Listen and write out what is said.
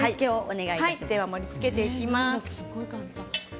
では盛りつけていきます。